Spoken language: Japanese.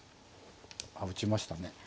打ちましたね。